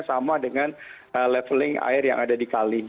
sama dengan leveling air yang ada di kali